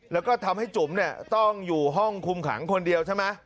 แล้วก็ทำให้จุ๋มต้องอยู่ห้องคุมขังคนเดียวใช่ไหม